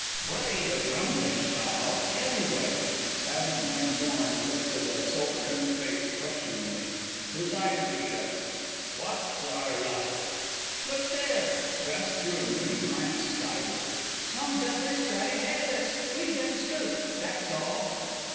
"What are you grumbling about, anyway?" Hazard Van Dorn lifted a soap rimmed face questioningly. His eyes were shut. "What's our luck?" "Look there!" Gus threw a moody glance skyward. "Some duffer's got ahead of us. We've been scooped, that's all!"